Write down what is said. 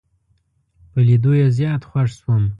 په لیدو یې زیات خوښ شوم.